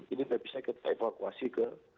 ini terpisah ke evakuasi ke